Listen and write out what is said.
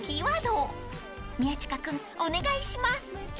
［宮近君お願いします］